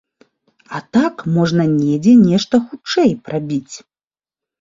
А так, можна недзе нешта хутчэй прабіць.